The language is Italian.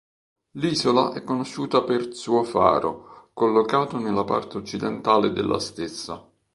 L'isola è conosciuta per suo faro, collocato nella parte occidentale della stessa.